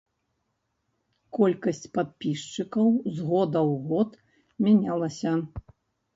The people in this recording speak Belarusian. Колькасць падпісчыкаў з года ў год мянялася.